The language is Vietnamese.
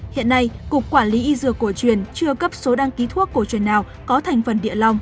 hiện nay cục quản lý y dược cổ truyền chưa cấp số đăng ký thuốc cổ truyền nào có thành phần địa lòng